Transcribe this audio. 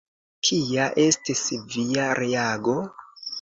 Kia estis via reago?